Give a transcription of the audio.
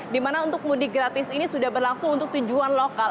dimana untuk mudik gratis ini sudah berlangsung untuk tujuan lokal